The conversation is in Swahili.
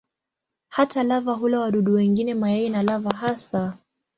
Hata lava hula wadudu wengine, mayai na lava hasa.